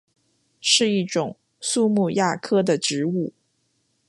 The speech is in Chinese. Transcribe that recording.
是一种苏木亚科的植物。